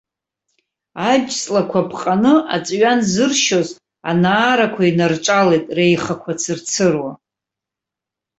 Аџьҵлақәа ԥҟаны аҵәҩан зыршьоз, анаарақәа инарҿалеит, реихақәа цырцыруа.